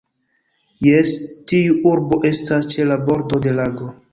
Jes, tiu urbo estas ĉe la bordo de lago.